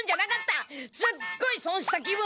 すっごいそんした気分！